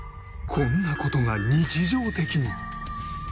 こんな事が日常的に。